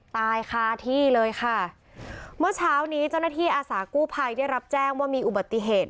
ตายคาที่เลยค่ะเมื่อเช้านี้เจ้าหน้าที่อาสากู้ภัยได้รับแจ้งว่ามีอุบัติเหตุ